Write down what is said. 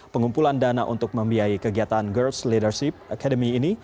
pengumpulan dana untuk membiayai kegiatan girts leadership academy ini